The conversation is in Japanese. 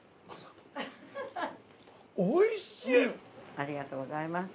◆ありがとうございます。